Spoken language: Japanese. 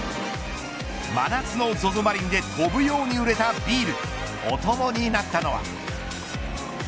真夏のＺＯＺＯマリンで飛ぶように売れたビールお供になったのは。